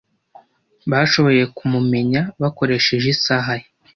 Bashoboye kumumenya bakoresheje isaha ye.